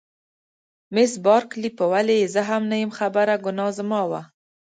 مس بارکلي: په ولې یې زه هم نه یم خبره، ګناه زما وه.